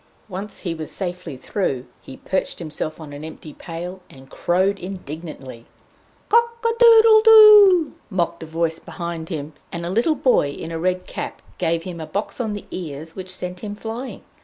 Once he was safely through, he perched himself on an empty pail, and crowed indignantly. "Cock adoodle do oo!" mocked a voice behind him, and a little boy in a red cap gave him a box on the ears which sent him flying.